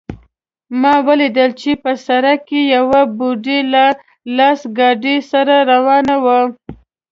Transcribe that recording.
ما ولیدل چې په سړک کې یوه بوډۍ لاس ګاډۍ سره روانه وه